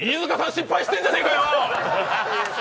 失敗してんじゃないかよ。